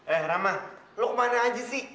eh rama lo kemana aja sih